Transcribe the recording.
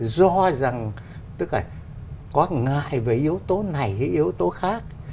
do rằng tức là có ngại về yếu tố này hay yếu tố khác